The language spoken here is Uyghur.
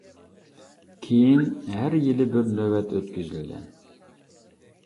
كېيىن ھەر يىلى بىر نۆۋەت ئۆتكۈزۈلگەن.